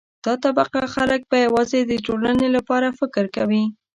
دا طبقه خلک به یوازې د ټولنې لپاره فکر کوي.